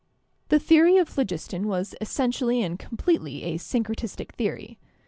The theory of phlogiston was essentially and completely a syncretistic theory.